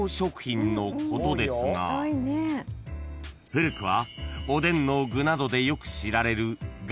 ［古くはおでんの具などでよく知られる］